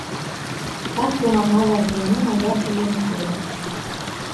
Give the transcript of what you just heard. Так вымагала ад мяне мая кліентура.